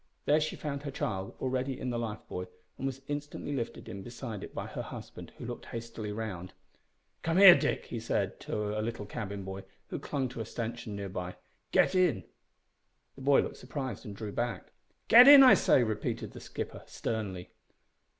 There she found her child already in the life buoy, and was instantly lifted in beside it by her husband, who looked hastily round. "Come here, Dick," he said to a little cabin boy who clung to a stanchion near by. "Get in." The boy looked surprised, and drew back. "Get in, I say," repeated the skipper sternly.